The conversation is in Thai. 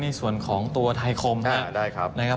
นี่ส่วนของตัวไทยคมครับ